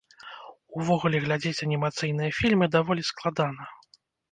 Увогуле, глядзець анімацыйныя фільмы даволі складана.